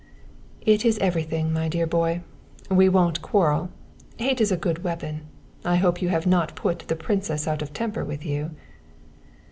"It is everything, my dear boy. We won't quarrel. Hate is a good weapon. I hope you have not put the princess out of temper with you?"